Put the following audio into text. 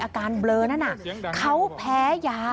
อาการเบลิิ้อนั่นน่ะเค้าแพ้ยา